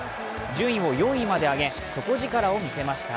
順位を４位まで上げ底力を見せました。